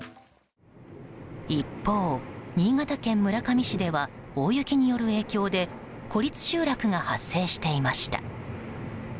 一方、新潟県村上市では大雪による影響で孤立集落が発生していました。